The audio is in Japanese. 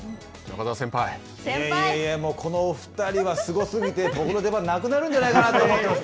いやいや、このお２人はすご過ぎて僕の出番なくなるんじゃないかなというふうに思っています。